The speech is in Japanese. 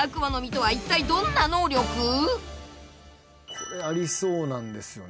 これありそうなんですよね。